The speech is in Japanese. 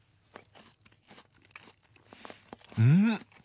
うん！